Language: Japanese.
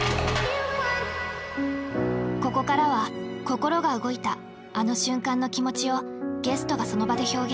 ここからは心が動いたあの瞬間の気持ちをゲストがその場で表現。